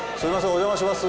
お邪魔します